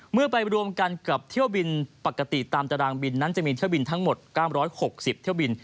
ไปรวมกันกับเที่ยวบินปกติตามตารางบินนั้นจะมีเที่ยวบินทั้งหมด๙๖๐เที่ยวบิน